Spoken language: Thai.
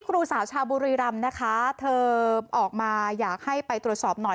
ครูสาวชาวบุรีรำนะคะเธอออกมาอยากให้ไปตรวจสอบหน่อย